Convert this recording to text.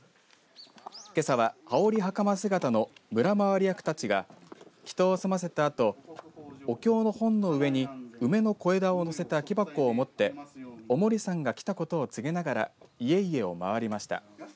けさは羽織はかま姿の村回り役たちが祈とうを済ませたあとお経の本の上に梅の小枝をのせた木箱を持ってお守りさんが来たことを告げながら家々を回りました。